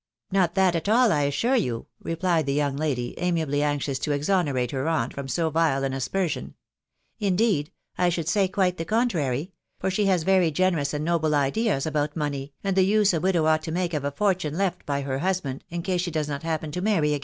" Not that at all, I assure you," wpliei the young lady, amiably anxious to "exonerate her aunt from >so vile an as persion ;" inJeed, 1 should *ay quite die contrary; for she has very generous «nd noble ideas abort money, and the use a widow ought to make of a fortune left by AW (husband, in 'case she 'does not happen 'to inarryiagam.